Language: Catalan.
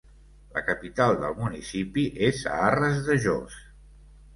La capital del municipi és a Arres de Jos.